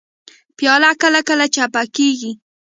پیاله کله کله چپه کېږي.